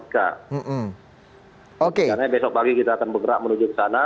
karena besok pagi kita akan bergerak menuju ke sana